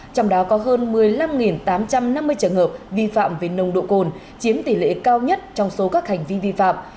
trong đó có hơn một mươi năm tám trăm năm mươi trường hợp vi phạm về nồng độ cồn chiếm tỷ lệ cao nhất trong số các hành vi vi phạm